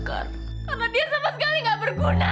karena dia sama sekali gak berguna